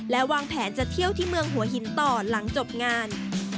และวางแผนจะเที่ยวที่เมืองหัวหินต่อหลังจบงาน